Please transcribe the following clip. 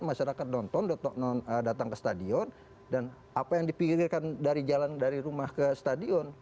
masyarakat nonton datang ke stadion dan apa yang dipikirkan dari jalan dari rumah ke stadion